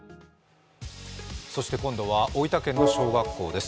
そして今度は大分県の小学校です。